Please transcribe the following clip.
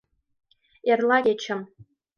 Эрла кечым.